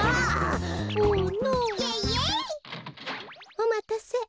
おまたせ。